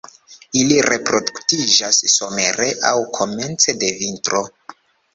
Ili reproduktiĝas somere aŭ komence de vintro.